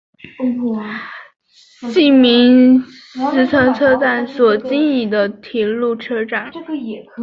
西明石车站所经营的铁路车站。